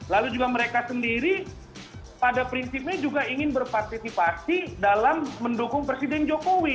lalu juga mereka sendiri pada prinsipnya juga ingin berpartisipasi dalam mendukung presiden jokowi